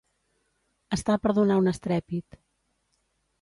Estar per donar un estrèpit.